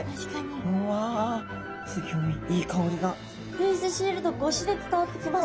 フェースシールド越しで伝わってきます。